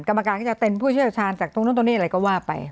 กรรมการก็จะเป็นผู้เชี่ยวชาญจากตรงนู้นตรงนี้อะไรก็ว่าไป